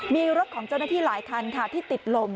มีรถของเจ้าหน้าที่หลายคันค่ะที่ติดลม